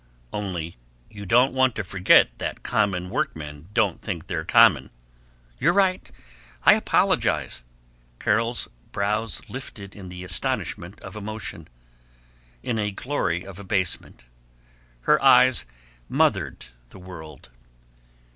"Only you don't want to forget that common workmen don't think they're common!" "You're right! I apologize!" Carol's brows lifted in the astonishment of emotion, in a glory of abasement. Her eyes mothered the world.